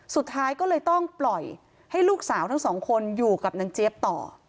สุดท้ายก็เลยต้องปล่อยให้ลูกสาวทั้งสองคนอยู่กับนางเจี๊ยบต่อ